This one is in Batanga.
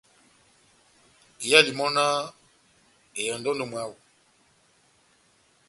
Iyɛli mɔ́náh :« ehɛndɔ endi ó mwáho. »